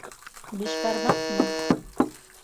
Бишбармаҡмы?